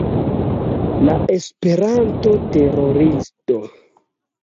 La Esperanto-teroristo